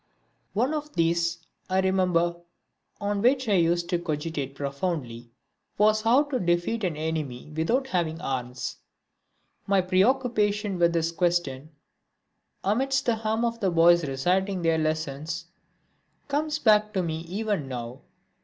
One of these, I remember, on which I used to cogitate profoundly, was how to defeat an enemy without having arms. My preoccupation with this question, amidst the hum of the boys reciting their lessons, comes back to me even now.